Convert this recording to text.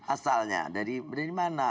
asalnya dari mana